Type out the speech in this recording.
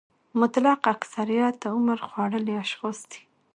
مطلق اکثریت عمر خوړلي اشخاص دي.